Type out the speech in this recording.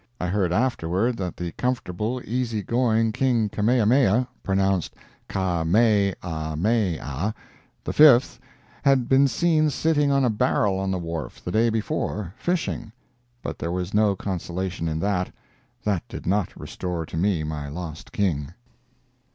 I heard afterward that the comfortable, easy going King Kamehameha (pronounced Ka may ah may ah) V had been seen sitting on a barrel on the wharf, the day before, fishing; but there was no consolation in that; that did not restore to me my lost King.